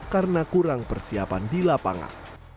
karena kurang persiapan di lapangan